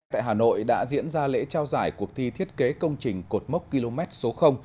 tại hà nội đã diễn ra lễ trao giải cuộc thi thiết kế công trình cột mốc km số